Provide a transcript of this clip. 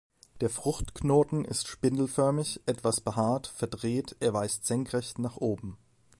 Der Fruchtknoten ist spindelförmig, etwas behaart, verdreht, er weist senkrecht nach oben.